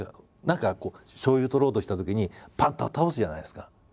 何かこうしょうゆ取ろうとしたときにパッと倒すじゃないですか。